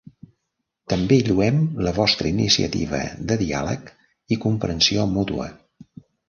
També lloem la vostra iniciativa de diàleg i comprensió mútua.